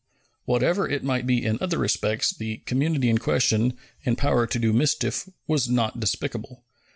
Whatever it might be in other respects, the community in question, in power to do mischief, was not despicable.